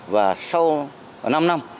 và sau năm năm